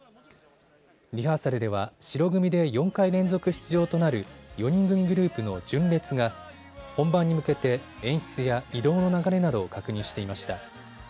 リハーサルでは白組で４回連続出場となる４人組グループの「純烈」が本番に向けて演出や移動の流れなどを確認していました。